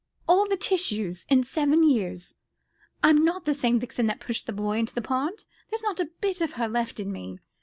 all the tissues in seven years. I'm not the same Vixen that pushed the boy into the pond. There's not a bit of her left in me."